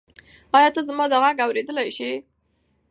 ایا ته زما دا غږ اورېدلی شې؟